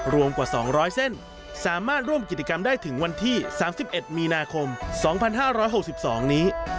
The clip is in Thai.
รวมกว่า๒๐๐เส้นสามารถร่วมกิจกรรมได้ถึงวันที่๓๑มีนาคม๒๕๖๒นี้